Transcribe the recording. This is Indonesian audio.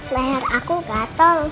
layar aku gatel